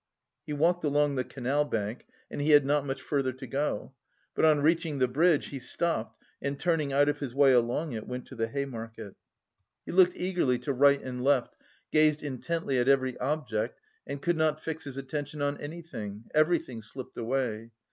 He walked along the canal bank, and he had not much further to go. But on reaching the bridge he stopped and turning out of his way along it went to the Hay Market. He looked eagerly to right and left, gazed intently at every object and could not fix his attention on anything; everything slipped away.